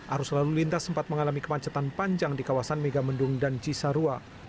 arus lalu lintas sempat mengalami kemacetan panjang di kawasan megamendung dan cisarua